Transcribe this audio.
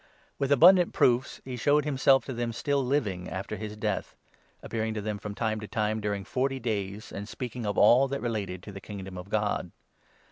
With abun 3 dant proofs, he showed himself to them, still living, after his death ; appearing to them from time to time during forty days, and speaking of all that related to the Kingdom of God.